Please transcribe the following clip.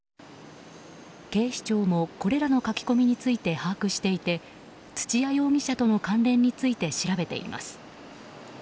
警視庁もこれらの書き込みについて把握していて土谷容疑者との関連について調べています。